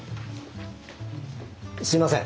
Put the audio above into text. すいません。